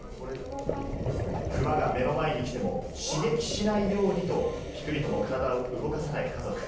クマが目の前に来ても刺激しないようにとピクリとも体を動かさない家族。